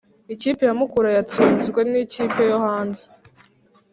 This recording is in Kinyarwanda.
Ikipe ya mukura yatsinzwe nikipe yohanze